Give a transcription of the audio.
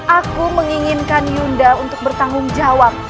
aku menginginkan yunda untuk bertanggung jawab